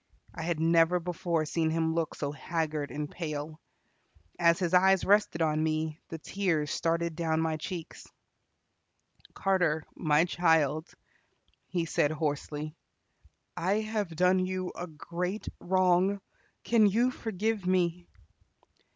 I had never before seen him look so haggard and pale. As his eyes rested on me, the tears started down my cheeks. "Carter, my child," he said hoarsely, "I have done you a great wrong. Can you forgive me?"